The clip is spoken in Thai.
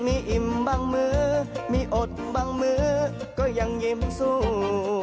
มีอิ่มบางมื้อมีอดบางมื้อก็ยังยิ้มสู้